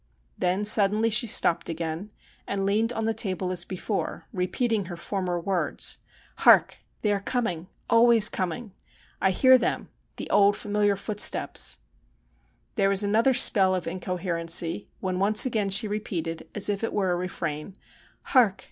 Then suddenly she stopped again, and leaned on the table as before, repeating her former words :' Hark ! They are coming — always coming. I hear them ; the old familiar footsteps.' There was another spell of incoherency, when once again she repeated, as if it were a refrain :' Hark